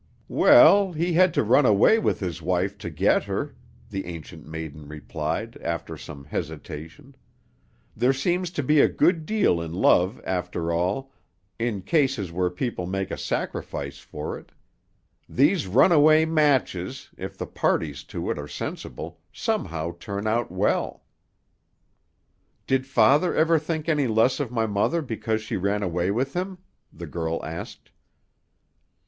"Well, he had to run away with his wife, to get her," the Ancient Maiden replied, after some hesitation. "There seems to be a good deal in love, after all, in cases where people make a sacrifice for it. These runaway matches, if the parties to it are sensible, somehow turn out well." "Did father ever think any less of my mother because she ran away with him?" the girl asked.